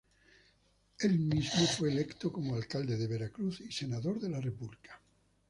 Él mismo fue electo como alcalde de Veracruz y senador de la República.